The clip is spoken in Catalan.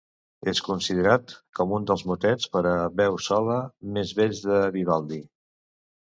És considerat com un dels motets per a veu sola més bells de Vivaldi.